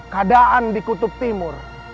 keadaan di kutub timur